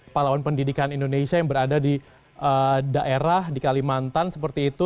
pahlawan pendidikan indonesia yang berada di daerah di kalimantan seperti itu